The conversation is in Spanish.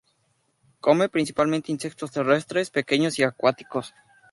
Come principalmente insectos terrestres pequeños y acuáticos.